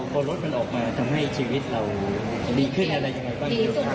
พอรถมันออกมาทำให้ชีวิตเราดีขึ้นอะไรอย่างไรบ้าง